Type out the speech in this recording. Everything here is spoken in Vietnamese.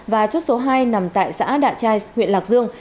và chốt số hai nằm tại xã đạ trai huyện lạc dương